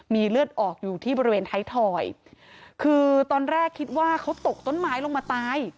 มีเลือดออกอยู่ที่บริเวณไทยถอยคือตอนแรกคิดว่าเขาตกต้นไม้ลงมาตาย